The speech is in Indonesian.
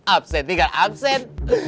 absen tinggal absen